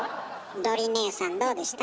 どり姉さんどうでした？